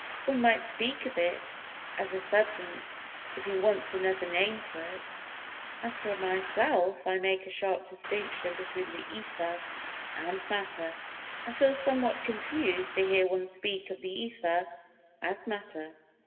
One might speak of it as a substance if he wants another name for it. As for myself, I make a sharp distinction between the Ether and Matter, and feel somewhat confused to hear one speak of the Ether as Matter."